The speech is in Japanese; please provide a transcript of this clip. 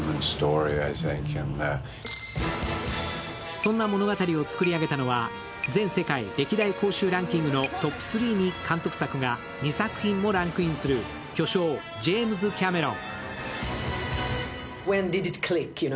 そんな物語を作り上げたのは全世界歴代興行収入ランキング、トップ３に監督作画２作品もランクインする巨匠、ジェームズ・キャメロン。